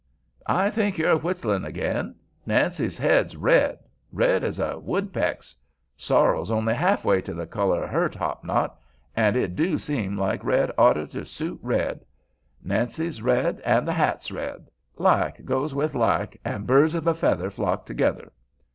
"I think you're whistlin' again. Nancy's head's red, red as a woodpeck's. Sorrel's only half way to the color of her top knot, an' it do seem like red oughter to soot red. Nancy's red an' the hat's red; like goes with like, an' birds of a feather flock together."